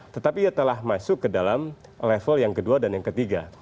tetapi ia telah masuk ke dalam level yang kedua dan yang ketiga